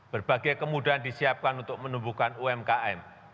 berbagai kemudahan disiapkan untuk menumbuhkan umkm